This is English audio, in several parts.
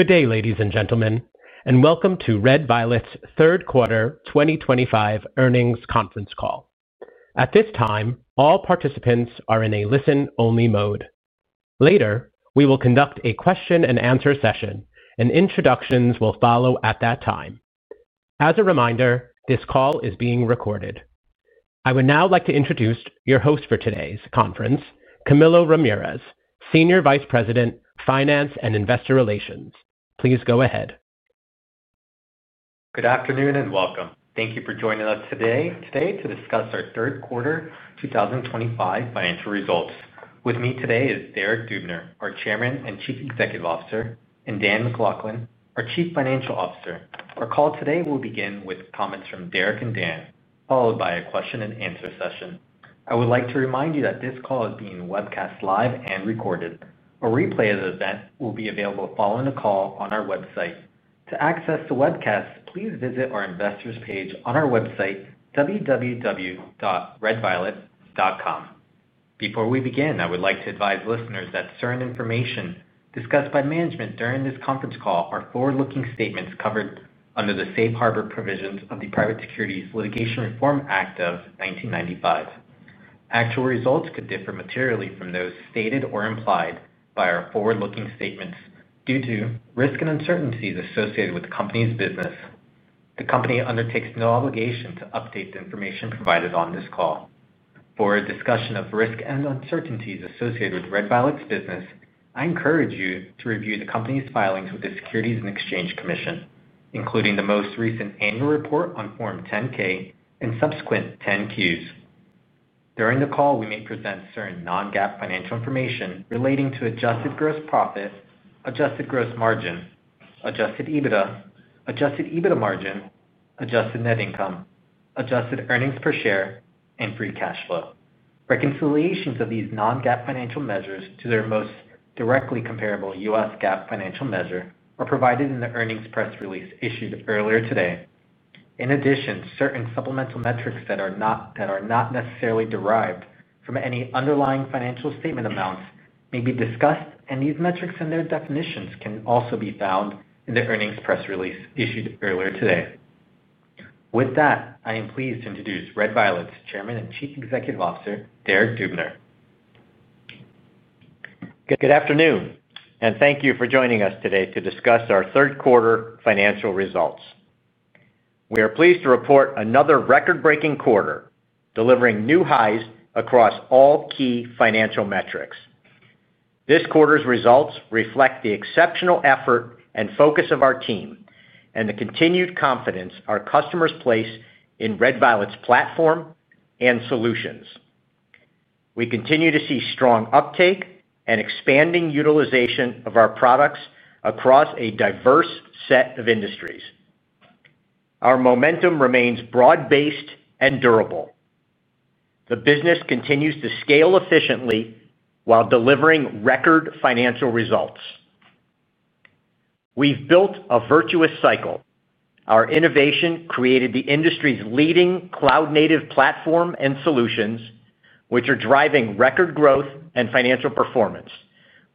Good day, ladies and gentlemen, and welcome to Red Violet's Third Quarter 2025 Earnings Conference Call. At this time, all participants are in a listen-only mode. Later, we will conduct a question-and-answer session, and introductions will follow at that time. As a reminder, this call is being recorded. I would now like to introduce your host for today's conference, Camilo Ramirez, Senior Vice President, Finance and Investor Relations. Please go ahead. Good afternoon and welcome. Thank you for joining us today to discuss our third quarter 2025 financial results. With me today is Derek Dubner, our Chairman and Chief Executive Officer, and Dan MacLachlan, our Chief Financial Officer. Our call today will begin with comments from Derek and Dan, followed by a question-and-answer session. I would like to remind you that this call is being webcast live and recorded. A replay of the event will be available following the call on our website. To access the webcast, please visit our investors' page on our website, www.redviolet.com. Before we begin, I would like to advise listeners that certain information discussed by management during this conference call are forward-looking statements covered under the safe harbor provisions of the Private Securities Litigation Reform Act of 1995. Actual results could differ materially from those stated or implied by our forward-looking statements due to risk and uncertainties associated with the company's business. The company undertakes no obligation to update the information provided on this call. For discussion of risk and uncertainties associated with Red Violet's business, I encourage you to review the company's filings with the Securities and Exchange Commission, including the most recent annual report on Form 10-K and subsequent 10-Qs. During the call, we may present certain non-GAAP financial information relating to adjusted gross profit, adjusted gross margin, adjusted EBITDA, adjusted EBITDA margin, adjusted net income, adjusted earnings per share, and free cash flow. Reconciliations of these non-GAAP financial measures to their most directly comparable U.S. GAAP financial measure are provided in the earnings press release issued earlier today. In addition, certain supplemental metrics that are not necessarily derived from any underlying financial statement amounts may be discussed, and these metrics and their definitions can also be found in the earnings press release issued earlier today. With that, I am pleased to introduce Red Violet's Chairman and Chief Executive Officer, Derek Dubner. Good afternoon, and thank you for joining us today to discuss our third quarter financial results. We are pleased to report another record-breaking quarter, delivering new highs across all key financial metrics. This quarter's results reflect the exceptional effort and focus of our team and the continued confidence our customers place in Red Violet's platform and solutions. We continue to see strong uptake and expanding utilization of our products across a diverse set of industries. Our momentum remains broad-based and durable. The business continues to scale efficiently while delivering record financial results. We've built a virtuous cycle. Our innovation created the industry's leading cloud-native platform and solutions, which are driving record growth and financial performance,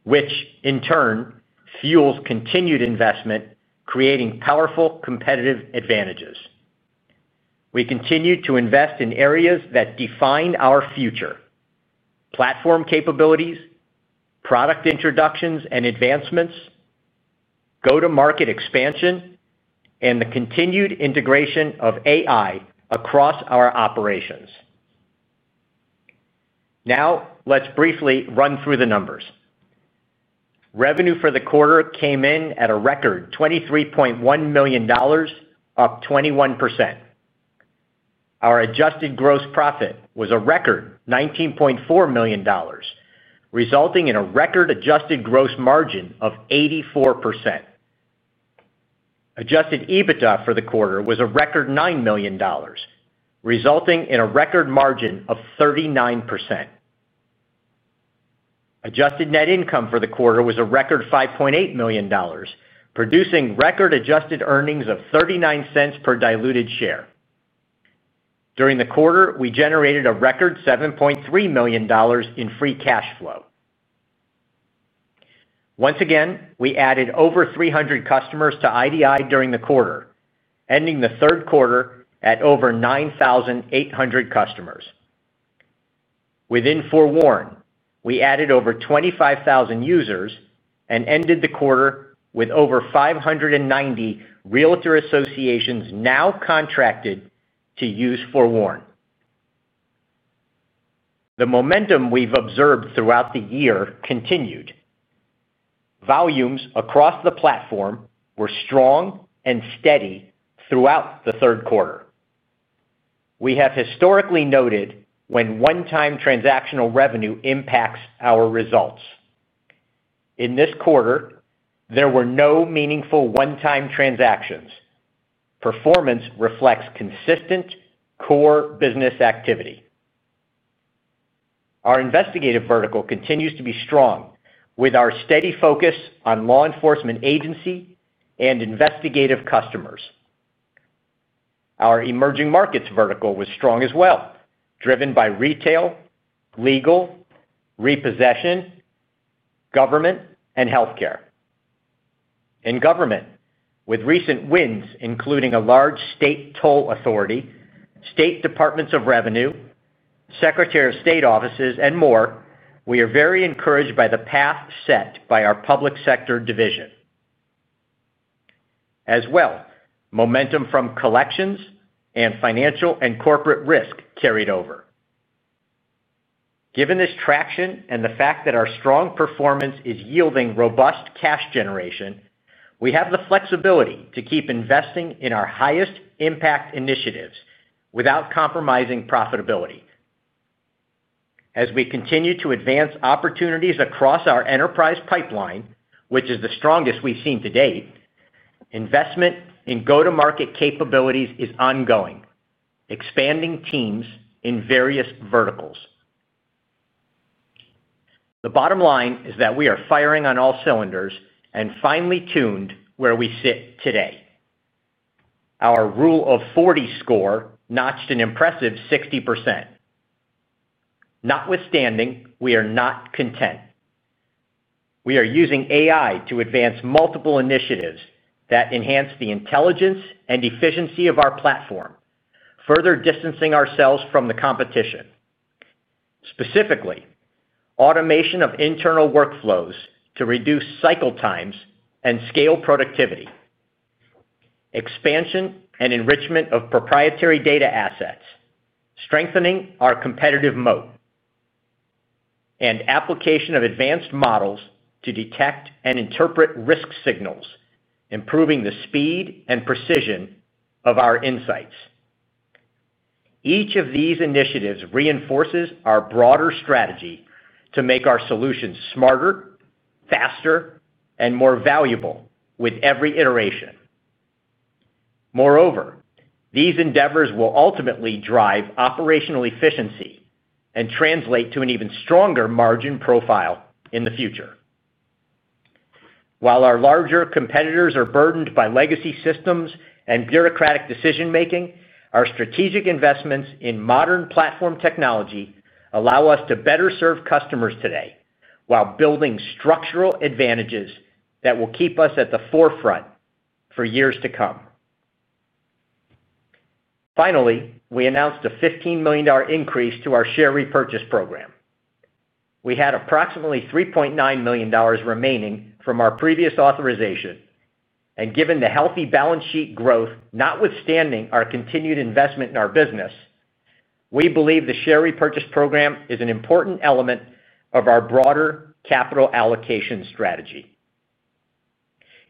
which in turn fuels continued investment, creating powerful competitive advantages. We continue to invest in areas that define our future. Platform capabilities, product introductions and advancements, go-to-market expansion, and the continued integration of AI across our operations. Now, let's briefly run through the numbers. Revenue for the quarter came in at a record $23.1 million, up 21%. Our adjusted gross profit was a record $19.4 million, resulting in a record adjusted gross margin of 84%. Adjusted EBITDA for the quarter was a record $9 million, resulting in a record margin of 39%. Adjusted net income for the quarter was a record $5.8 million, producing record adjusted earnings of $0.39 per diluted share. During the quarter, we generated a record $7.3 million in free cash flow. Once again, we added over 300 customers to IDI during the quarter, ending the third quarter at over 9,800 customers. Within FOREWARN, we added over 25,000 users and ended the quarter with over 590 realtor associations now contracted to use FOREWARN. The momentum we've observed throughout the year continued. Volumes across the platform were strong and steady throughout the third quarter. We have historically noted when one-time transactional revenue impacts our results. In this quarter, there were no meaningful one-time transactions. Performance reflects consistent core business activity. Our investigative vertical continues to be strong with our steady focus on law enforcement agency and investigative customers. Our emerging markets vertical was strong as well, driven by retail, legal, repossession, government, and healthcare. In government, with recent wins including a large state toll authority, state departments of revenue, secretary of state offices, and more, we are very encouraged by the path set by our public sector division. As well, momentum from collections and financial and corporate risk carried over. Given this traction and the fact that our strong performance is yielding robust cash generation, we have the flexibility to keep investing in our highest impact initiatives without compromising profitability. As we continue to advance opportunities across our enterprise pipeline, which is the strongest we've seen to date, investment in go-to-market capabilities is ongoing, expanding teams in various verticals. The bottom line is that we are firing on all cylinders and finely tuned where we sit today. Our Rule of 40 score notched an impressive 60%. Notwithstanding, we are not content. We are using AI to advance multiple initiatives that enhance the intelligence and efficiency of our platform. Further distancing ourselves from the competition. Specifically, automation of internal workflows to reduce cycle times and scale productivity. Expansion and enrichment of proprietary data assets, strengthening our competitive moat. Application of advanced models to detect and interpret risk signals, improving the speed and precision of our insights. Each of these initiatives reinforces our broader strategy to make our solutions smarter, faster, and more valuable with every iteration. Moreover, these endeavors will ultimately drive operational efficiency and translate to an even stronger margin profile in the future. While our larger competitors are burdened by legacy systems and bureaucratic decision-making, our strategic investments in modern platform technology allow us to better serve customers today while building structural advantages that will keep us at the forefront for years to come. Finally, we announced a $15 million increase to our share repurchase program. We had approximately $3.9 million remaining from our previous authorization, and given the healthy balance sheet growth notwithstanding our continued investment in our business. We believe the share repurchase program is an important element of our broader capital allocation strategy.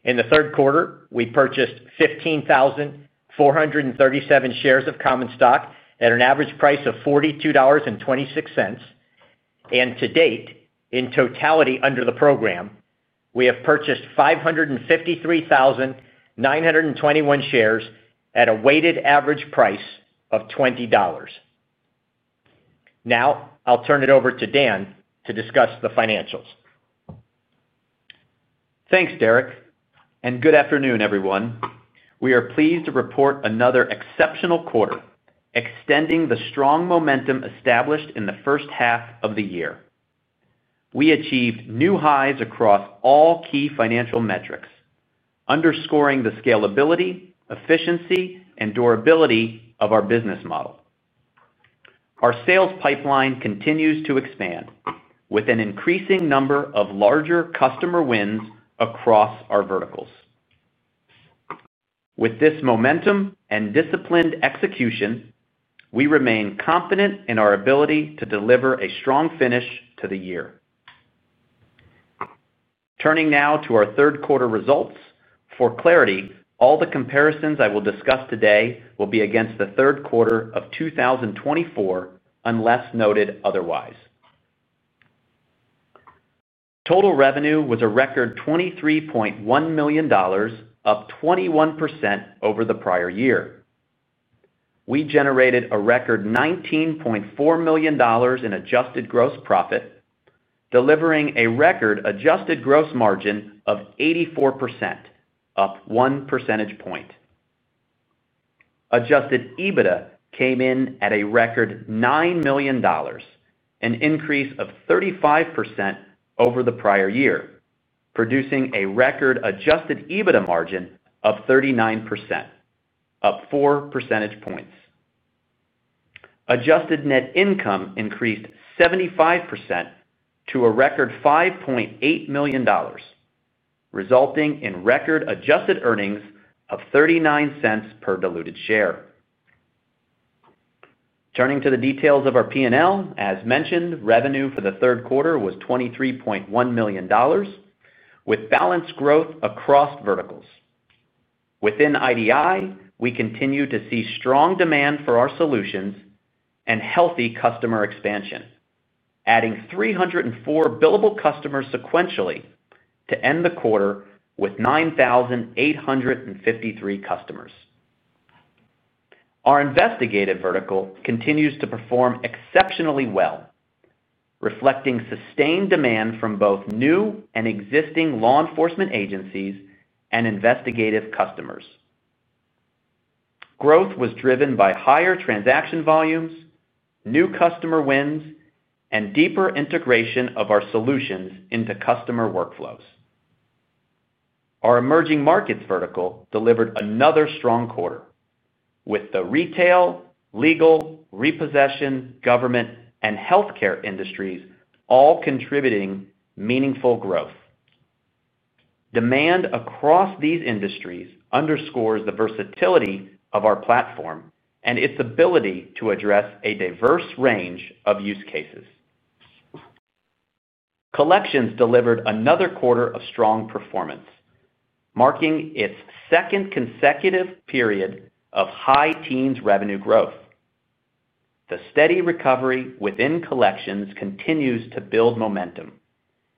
In the third quarter, we purchased 15,437 shares of common stock at an average price of $42.26. To date, in totality under the program, we have purchased 553,921 shares at a weighted average price of $20. Now, I'll turn it over to Dan to discuss the financials. Thanks, Derek. Good afternoon, everyone. We are pleased to report another exceptional quarter, extending the strong momentum established in the first half of the year. We achieved new highs across all key financial metrics, underscoring the scalability, efficiency, and durability of our business model. Our sales pipeline continues to expand with an increasing number of larger customer wins across our verticals. With this momentum and disciplined execution, we remain confident in our ability to deliver a strong finish to the year. Turning now to our third quarter results, for clarity, all the comparisons I will discuss today will be against the third quarter of 2024 unless noted otherwise. Total revenue was a record $23.1 million, up 21% over the prior year. We generated a record $19.4 million in adjusted gross profit, delivering a record adjusted gross margin of 84%, up 1 percentage point. Adjusted EBITDA came in at a record $9 million. An increase of 35% over the prior year, producing a record adjusted EBITDA margin of 39%, up 4 percentage points. Adjusted net income increased 75% to a record $5.8 million, resulting in record adjusted earnings of $0.39 per diluted share. Turning to the details of our P&L, as mentioned, revenue for the third quarter was $23.1 million, with balanced growth across verticals. Within IDI, we continue to see strong demand for our solutions and healthy customer expansion, adding 304 billable customers sequentially to end the quarter with 9,853 customers. Our investigative vertical continues to perform exceptionally well, reflecting sustained demand from both new and existing law enforcement agencies and investigative customers. Growth was driven by higher transaction volumes, new customer wins, and deeper integration of our solutions into customer workflows. Our emerging markets vertical delivered another strong quarter, with the retail, legal, repossession, government, and healthcare industries all contributing meaningful growth. Demand across these industries underscores the versatility of our platform and its ability to address a diverse range of use cases. Collections delivered another quarter of strong performance, marking its second consecutive period of high-teens revenue growth. The steady recovery within collections continues to build momentum,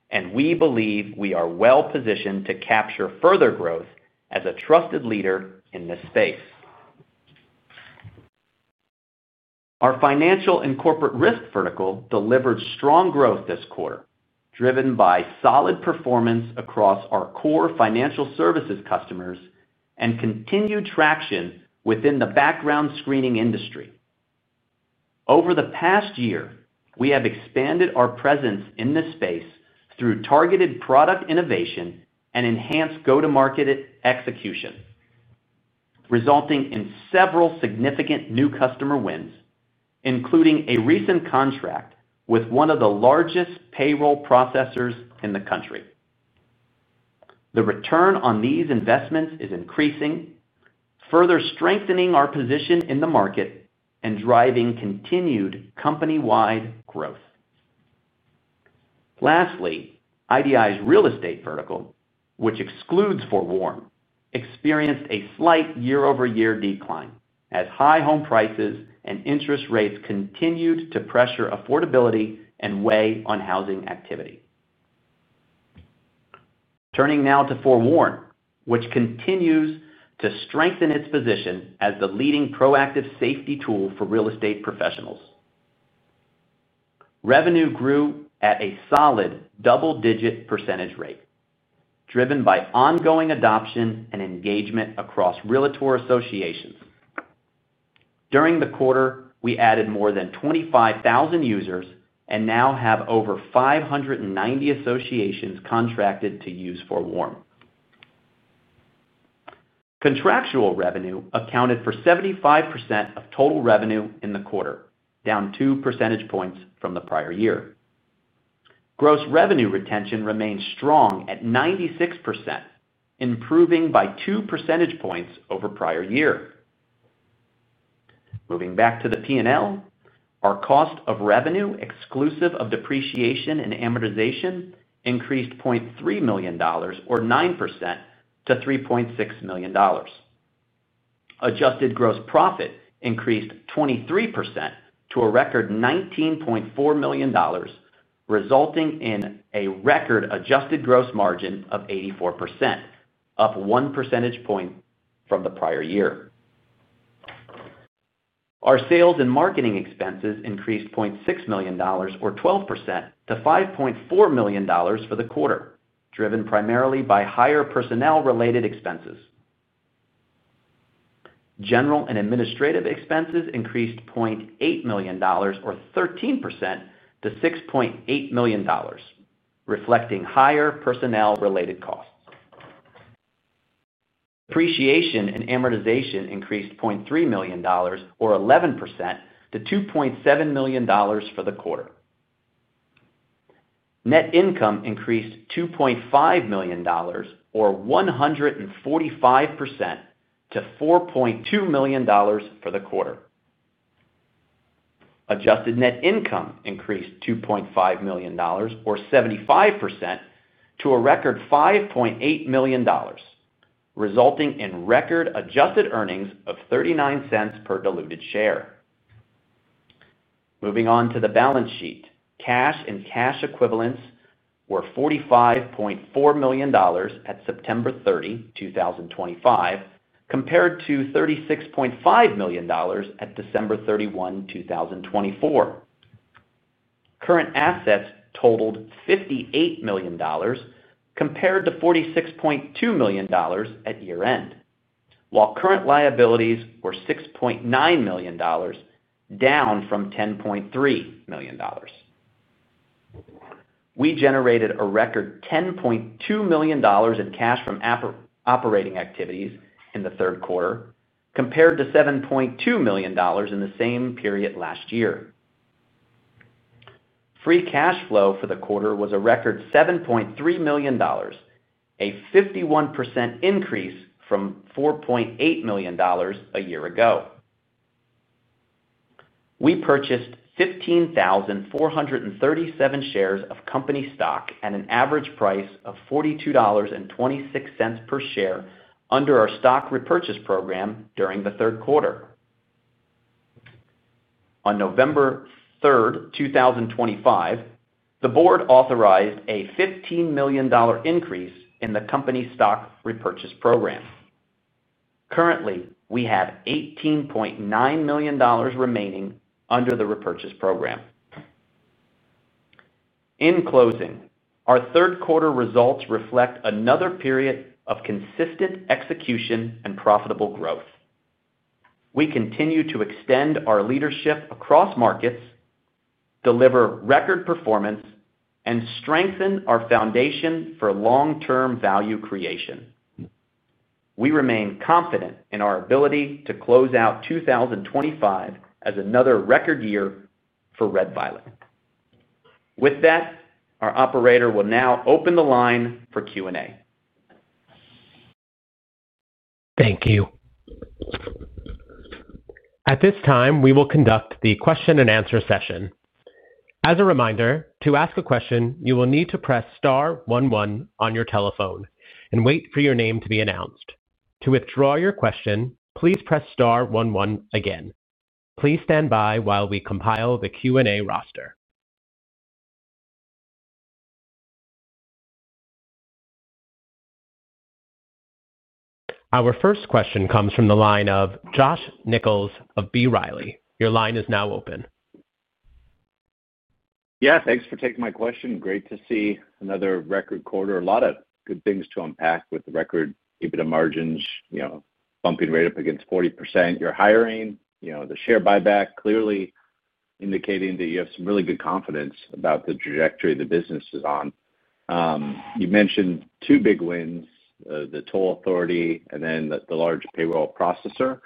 and we believe we are well positioned to capture further growth as a trusted leader in this space. Our financial and corporate risk vertical delivered strong growth this quarter, driven by solid performance across our core financial services customers and continued traction within the background screening industry. Over the past year, we have expanded our presence in this space through targeted product innovation and enhanced go-to-market execution. Resulting in several significant new customer wins, including a recent contract with one of the largest payroll processors in the country. The return on these investments is increasing, further strengthening our position in the market and driving continued company-wide growth. Lastly, IDI's real estate vertical, which excludes FOREWARN, experienced a slight year-over-year decline as high home prices and interest rates continued to pressure affordability and weigh on housing activity. Turning now to FOREWARN, which continues to strengthen its position as the leading proactive safety tool for real estate professionals. Revenue grew at a solid double-digit percentage rate, driven by ongoing adoption and engagement across realtor associations. During the quarter, we added more than 25,000 users and now have over 590 associations contracted to use FOREWARN. Contractual revenue accounted for 75% of total revenue in the quarter, down 2 percentage points from the prior year. Gross revenue retention remained strong at 96%. Improving by 2 percentage points over the prior year. Moving back to the P&L, our cost of revenue exclusive of depreciation and amortization increased $0.3 million, or 9%, to $3.6 million. Adjusted gross profit increased 23% to a record $19.4 million, resulting in a record adjusted gross margin of 84%, up 1 percentage point from the prior year. Our sales and marketing expenses increased $0.6 million, or 12%, to $5.4 million for the quarter, driven primarily by higher personnel-related expenses. General and administrative expenses increased $0.8 million, or 13%, to $6.8 million. Reflecting higher personnel-related costs. Depreciation and amortization increased $0.3 million, or 11%, to $2.7 million for the quarter. Net income increased $2.5 million, or 145%, to $4.2 million for the quarter. Adjusted net income increased $2.5 million, or 75%, to a record $5.8 million. Resulting in record adjusted earnings of $0.39 per diluted share. Moving on to the balance sheet, cash and cash equivalents were $45.4 million at September 30, 2025, compared to $36.5 million at December 31, 2024. Current assets totaled $58 million compared to $46.2 million at year-end, while current liabilities were $6.9 million, down from $10.3 million. We generated a record $10.2 million in cash from operating activities in the third quarter, compared to $7.2 million in the same period last year. Free cash flow for the quarter was a record $7.3 million, a 51% increase from $4.8 million a year ago. We purchased 15,437 shares of company stock at an average price of $42.26 per share under our stock repurchase program during the third quarter. On November 3rd, 2025, the board authorized a $15 million increase in the company stock repurchase program. Currently, we have $18.9 million remaining under the repurchase program. In closing, our third quarter results reflect another period of consistent execution and profitable growth. We continue to extend our leadership across markets, deliver record performance, and strengthen our foundation for long-term value creation. We remain confident in our ability to close out 2025 as another record year for Red Violet. With that, our operator will now open the line for Q&A. Thank you. At this time, we will conduct the question-and-answer session. As a reminder, to ask a question, you will need to press star one one on your telephone and wait for your name to be announced. To withdraw your question, please press star one one again. Please stand by while we compile the Q&A roster. Our first question comes from the line of Josh Nichols of B. Riley. Your line is now open. Yeah, thanks for taking my question. Great to see another record quarter. A lot of good things to unpack with the record EBITDA margins, you know, bumping right up against 40%. You're hiring, you know, the share buyback, clearly indicating that you have some really good confidence about the trajectory the business is on. You mentioned two big wins, the toll authority and then the large payroll processor.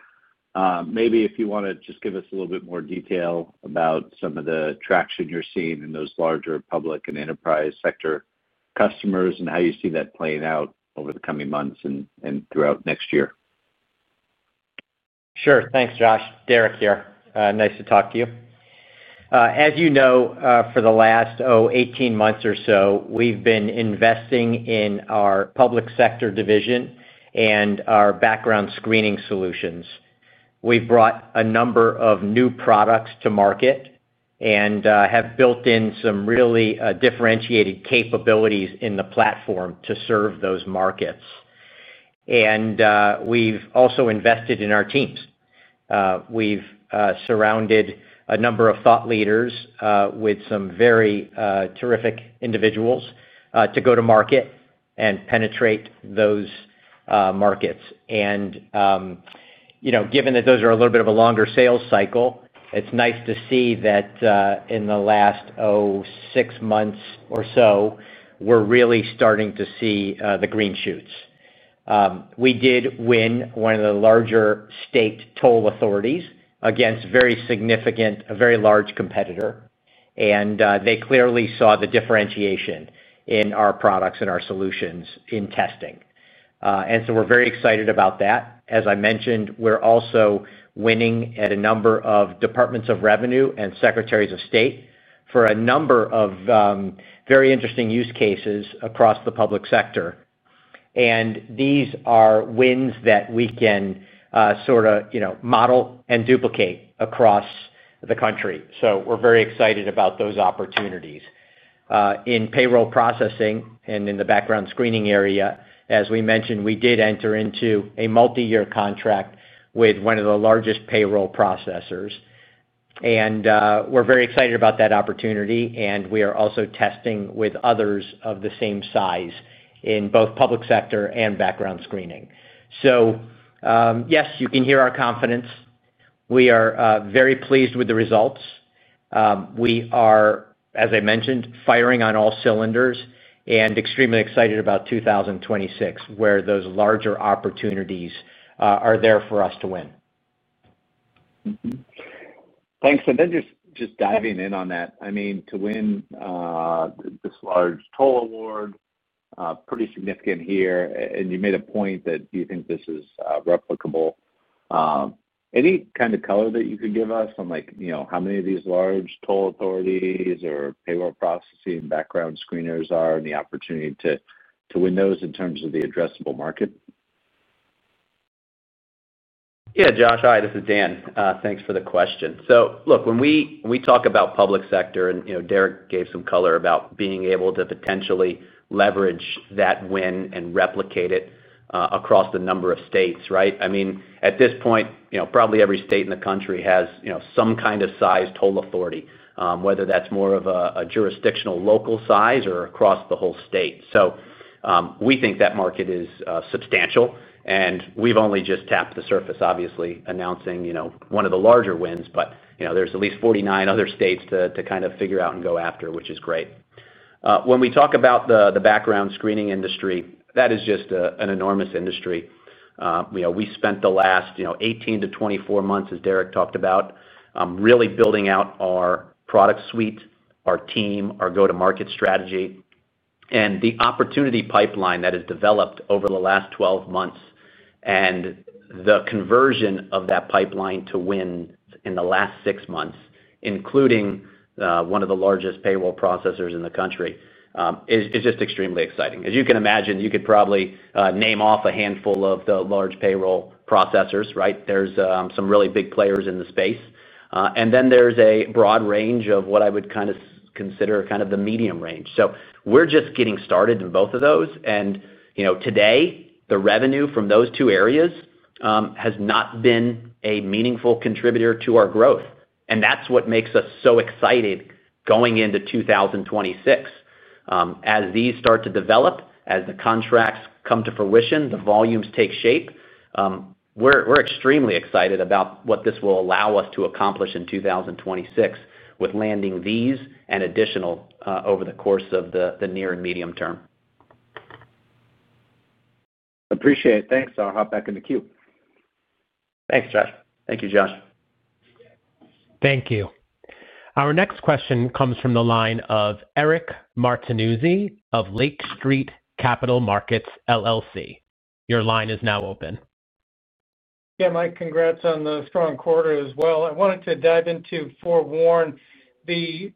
Maybe if you want to just give us a little bit more detail about some of the traction you're seeing in those larger public and enterprise sector customers and how you see that playing out over the coming months and throughout next year. Sure. Thanks, Josh. Derek here. Nice to talk to you. As you know, for the last 18 months or so, we've been investing in our public sector division and our background screening solutions. We've brought a number of new products to market and have built in some really differentiated capabilities in the platform to serve those markets. We've also invested in our teams. We've surrounded a number of thought leaders with some very terrific individuals to go to market and penetrate those markets. You know, given that those are a little bit of a longer sales cycle, it's nice to see that in the last six months or so, we're really starting to see the green shoots. We did win one of the larger state toll authorities against a very significant, a very large competitor. They clearly saw the differentiation in our products and our solutions in testing. We are very excited about that. As I mentioned, we are also winning at a number of departments of revenue and secretaries of state for a number of very interesting use cases across the public sector. These are wins that we can, you know, model and duplicate across the country. We are very excited about those opportunities. In payroll processing and in the background screening area, as we mentioned, we did enter into a multi-year contract with one of the largest payroll processors. We are very excited about that opportunity. We are also testing with others of the same size in both public sector and background screening. Yes, you can hear our confidence. We are very pleased with the results. We are, as I mentioned, firing on all cylinders and extremely excited about 2026, where those larger opportunities are there for us to win. Thanks. And then just diving in on that, I mean, to win this large toll award. Pretty significant here. And you made a point that you think this is replicable. Any kind of color that you could give us on, like, you know, how many of these large toll authorities or payroll processing background screeners are and the opportunity to win those in terms of the addressable market? Yeah, Josh. Hi, this is Dan. Thanks for the question. Look, when we talk about public sector and, you know, Derek gave some color about being able to potentially leverage that win and replicate it across the number of states, right? I mean, at this point, you know, probably every state in the country has, you know, some kind of sized toll authority, whether that's more of a jurisdictional local size or across the whole state. We think that market is substantial. We've only just tapped the surface, obviously, announcing, you know, one of the larger wins. You know, there's at least 49 other states to kind of figure out and go after, which is great. When we talk about the background screening industry, that is just an enormous industry. You know, we spent the last, you know, 18-24 months, as Derek talked about, really building out our product suite, our team, our go-to-market strategy, and the opportunity pipeline that has developed over the last 12 months. The conversion of that pipeline to win in the last six months, including one of the largest payroll processors in the country, is just extremely exciting. As you can imagine, you could probably name off a handful of the large payroll processors, right? There are some really big players in the space. There is a broad range of what I would kind of consider kind of the medium range. We are just getting started in both of those. You know, today, the revenue from those two areas has not been a meaningful contributor to our growth. That is what makes us so excited going into 2026. As these start to develop, as the contracts come to fruition, the volumes take shape, we're extremely excited about what this will allow us to accomplish in 2026 with landing these and additional over the course of the near and medium term. Appreciate it. Thanks. I'll hop back in the queue. Thanks, Josh. Thank you, Josh. Thank you. Our next question comes from the line of Eric Martinuzzi of Lake Street Capital Markets LLC. Your line is now open. Yeah, Mike, congrats on the strong quarter as well. I wanted to dive into FOREWARN. You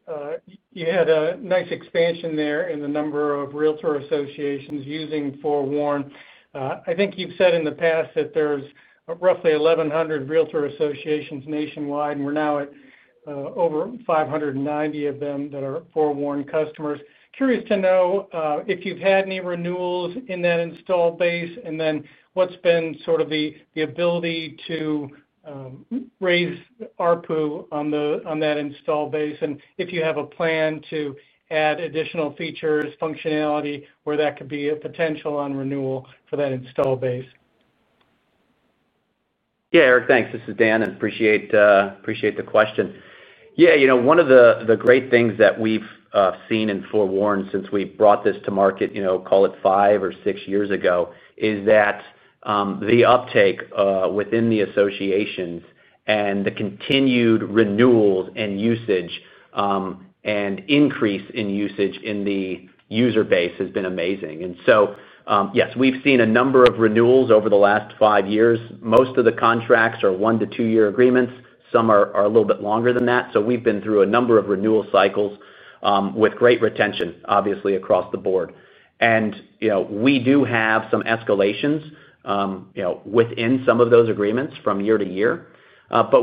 had a nice expansion there in the number of realtor associations using FOREWARN. I think you've said in the past that there's roughly 1,100 realtor associations nationwide, and we're now at over 590 of them that are FOREWARN customers. Curious to know if you've had any renewals in that install base and then what's been sort of the ability to raise ARPU on that install base and if you have a plan to add additional features, functionality, where that could be a potential on renewal for that install base. Yeah, Eric, thanks. This is Dan. Appreciate the question. Yeah, you know, one of the great things that we've seen in FOREWARN since we brought this to market, you know, call it five-six years ago, is that the uptake within the associations and the continued renewals and usage and increase in usage in the user base has been amazing. Yes, we've seen a number of renewals over the last five years. Most of the contracts are one-to-two-year agreements. Some are a little bit longer than that. We have been through a number of renewal cycles with great retention, obviously, across the board. You know, we do have some escalations within some of those agreements from year to year.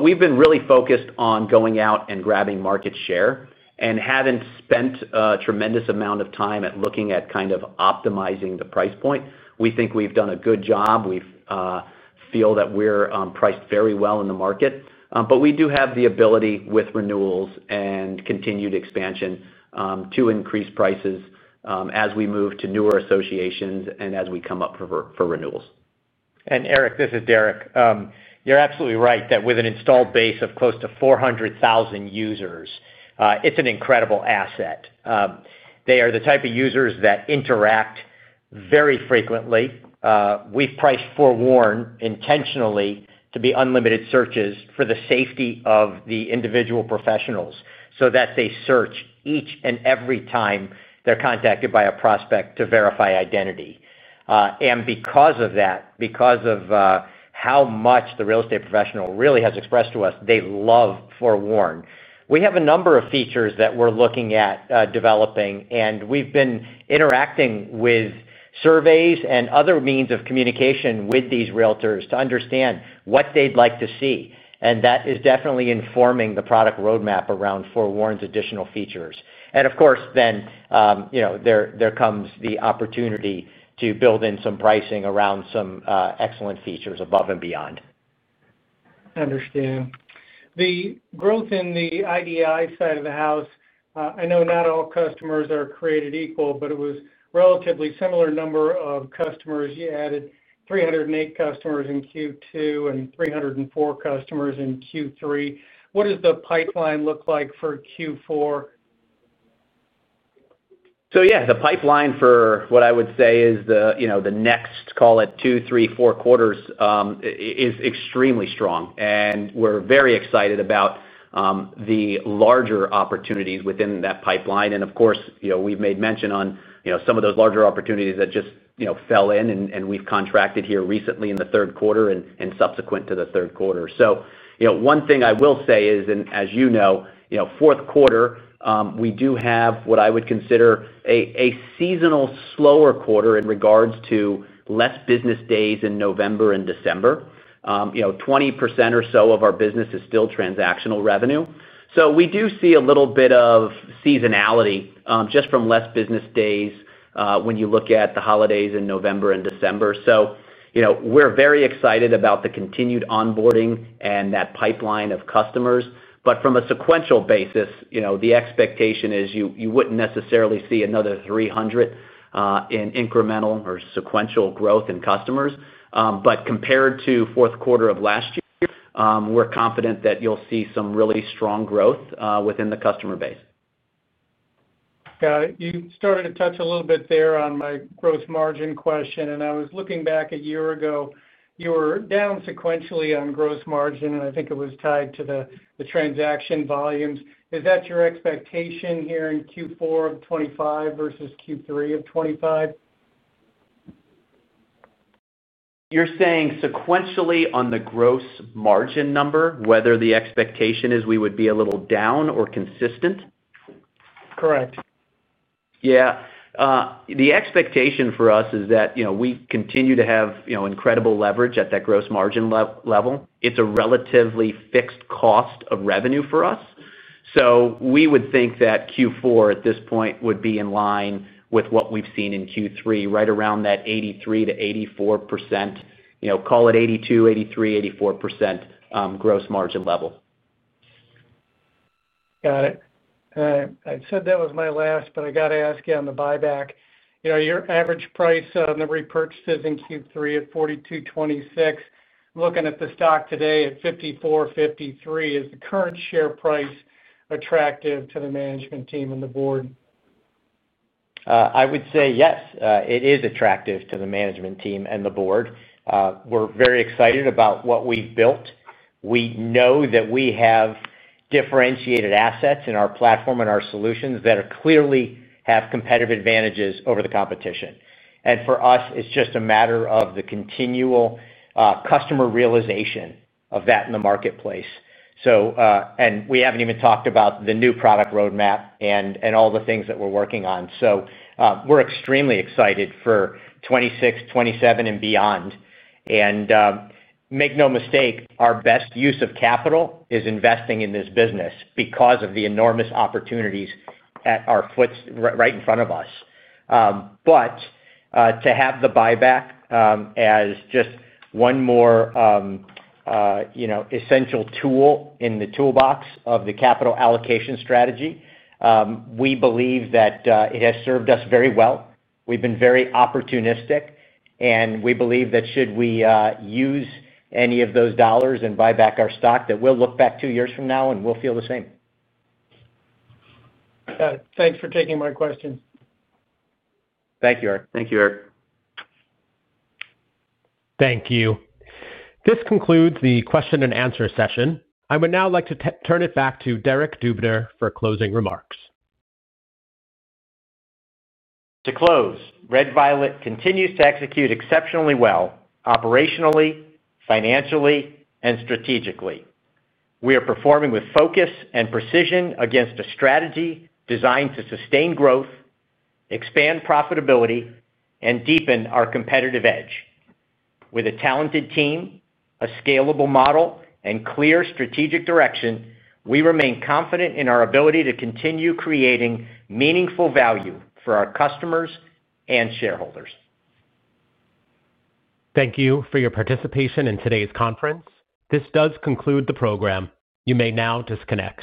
We have been really focused on going out and grabbing market share and have not spent a tremendous amount of time looking at kind of optimizing the price point. We think we have done a good job. We feel that we are priced very well in the market. We do have the ability with renewals and continued expansion to increase prices as we move to newer associations and as we come up for renewals. Eric, this is Derek. You are absolutely right that with an installed base of close to 400,000 users, it is an incredible asset. They are the type of users that interact very frequently. We have priced FOREWARN intentionally to be unlimited searches for the safety of the individual professionals so that they search each and every time they are contacted by a prospect to verify identity. Because of that, because of how much the real estate professional really has expressed to us, they love FOREWARN. We have a number of features that we're looking at developing, and we've been interacting with surveys and other means of communication with these realtors to understand what they'd like to see. That is definitely informing the product roadmap around FOREWARN's additional features. Of course, then, you know, there comes the opportunity to build in some pricing around some excellent features above and beyond. I understand. The growth in the IDI side of the house, I know not all customers are created equal, but it was a relatively similar number of customers. You added 308 customers in Q2 and 304 customers in Q3. What does the pipeline look like for Q4? Yeah, the pipeline for what I would say is the, you know, the next, call it two-four quarters, is extremely strong. And we're very excited about the larger opportunities within that pipeline. Of course, you know, we've made mention on, you know, some of those larger opportunities that just, you know, fell in and we've contracted here recently in the third quarter and subsequent to the third quarter. One thing I will say is, and as you know, you know, fourth quarter, we do have what I would consider a seasonal slower quarter in regards to less business days in November-December. You know, 20% or so of our business is still transactional revenue. So we do see a little bit of seasonality just from less business days when you look at the holidays in November-December. You know, we're very excited about the continued onboarding and that pipeline of customers. From a sequential basis, you know, the expectation is you wouldn't necessarily see another 300 in incremental or sequential growth in customers. Compared to fourth quarter of last year, we're confident that you'll see some really strong growth within the customer base. Yeah, you started to touch a little bit there on my gross margin question. I was looking back a year ago, you were down sequentially on gross margin, and I think it was tied to the transaction volumes. Is that your expectation here in Q4 of 2025 versus Q3 of 2025? You're saying sequentially on the gross margin number, whether the expectation is we would be a little down or consistent? Correct. Yeah. The expectation for us is that, you know, we continue to have, you know, incredible leverage at that gross margin level. It's a relatively fixed cost of revenue for us. So we would think that Q4 at this point would be in line with what we've seen in Q3, right around that 83%-84%, you know, call it 82%-84% gross margin level. Got it. I said that was my last, but I got to ask you on the buyback. You know, your average price on the repurchases in Q3 at $42.26, looking at the stock today at $54.53, is the current share price attractive to the management team and the board? I would say yes. It is attractive to the management team and the board. We're very excited about what we've built. We know that we have differentiated assets in our platform and our solutions that clearly have competitive advantages over the competition. For us, it's just a matter of the continual customer realization of that in the marketplace. We haven't even talked about the new product roadmap and all the things that we're working on. We're extremely excited for 2026-2027, and beyond. Make no mistake, our best use of capital is investing in this business because of the enormous opportunities at our foot right in front of us. To have the buyback as just one more, you know, essential tool in the toolbox of the capital allocation strategy, we believe that it has served us very well. We've been very opportunistic. We believe that should we use any of those dollars and buy back our stock, that we'll look back two years from now and we'll feel the same. Thanks for taking my questions. Thank you, Eric. Thank you, Eric. Thank you. This concludes the question and answer session. I would now like to turn it back to Derek Dubner for closing remarks. To close, Red Violet continues to execute exceptionally well operationally, financially, and strategically. We are performing with focus and precision against a strategy designed to sustain growth, expand profitability, and deepen our competitive edge. With a talented team, a scalable model, and clear strategic direction, we remain confident in our ability to continue creating meaningful value for our customers and shareholders. Thank you for your participation in today's conference. This does conclude the program. You may now disconnect.